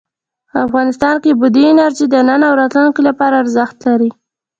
افغانستان کې بادي انرژي د نن او راتلونکي لپاره ارزښت لري.